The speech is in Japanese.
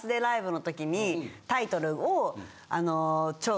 タイトルをあの。